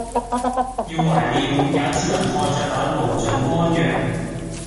要懷念也只能看著那無盡汪洋